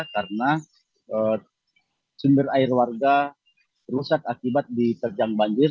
karena sumber air warga rusak akibat diterjang banjir